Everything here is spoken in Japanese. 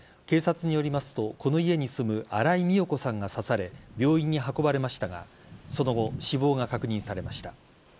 警察によりますとこの家に住む新井美代子さんが刺され病院に運ばれましたがその後、死亡が確認されました。